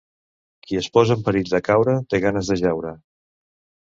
Qui es posa en perill de caure té ganes de jaure.